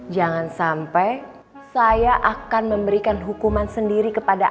jangan sampai saya akan memberikan hukuman sendiri kepada anda